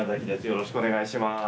よろしくお願いします。